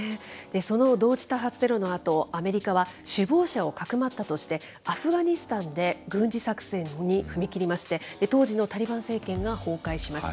その同時多発テロのあと、アメリカは、首謀者をかくまったとして、アフガニスタンで軍事作戦に踏み切りまして、当時のタリバン政権が崩壊しました。